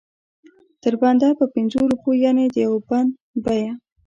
تر بنده په پنځو روپو یعنې د یو بند بیه.